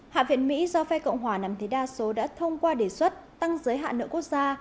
hạ viện mỹ do phe cộng hòa nằm thế đa số đã thông qua đề xuất tăng giới hạn nợ quốc gia